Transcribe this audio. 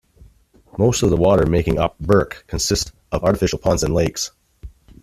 Most of the water making up Burke consists of artificial ponds and lakes.